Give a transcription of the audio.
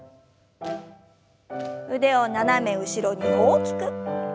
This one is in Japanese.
腕を斜め後ろに大きく。